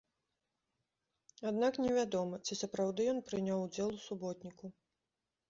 Аднак невядома, ці сапраўды ён прыняў удзел у суботніку.